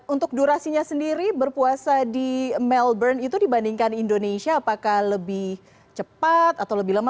untuk durasinya sendiri berpuasa di melbourne itu dibandingkan indonesia apakah lebih cepat atau lebih lemah